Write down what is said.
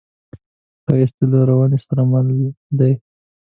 ښایست له لورینې سره مل دی